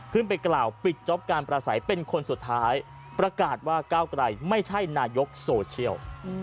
ไปกล่าวปิดจ๊อปการประสัยเป็นคนสุดท้ายประกาศว่าก้าวไกลไม่ใช่นายกโซเชียล